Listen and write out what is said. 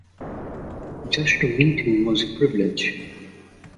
Just to meet him was a privilege.